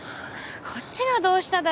こっちがどうしただよ